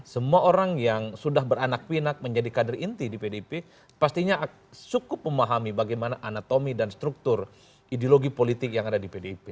semua orang yang sudah beranak pinak menjadi kader inti di pdip pastinya cukup memahami bagaimana anatomi dan struktur ideologi politik yang ada di pdip